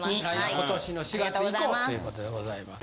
今年の４月以降ということでございます。